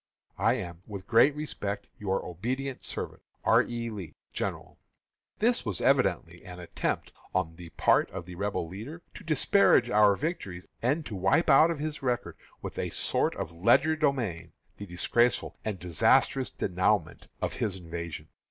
I am, with great respect, your obedient servant, R. E. LEE, General. This was evidently an attempt, on the part of the Rebel leader, to disparage our victories and to wipe out of his record, with a sort of legerdemain, the disgraceful and disastrous denouement of his invasion.